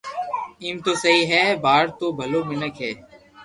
ايم تو سھي ھي يار تو ٻلو منيک ھي